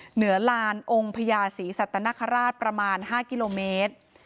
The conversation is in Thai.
เหนือลานองค์พญาศรีสัตนคราชประมาณ๕กิโลเมตร